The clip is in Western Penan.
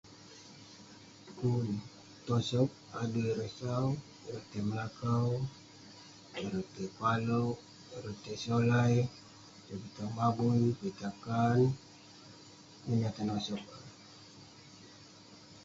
Pun. Tosog adui ireh sau, ireh tai melakau, ireh tai palouk, ireh tai solai. Tai pitah mabui, pitah kaan. Ineh yah tenosog ireh.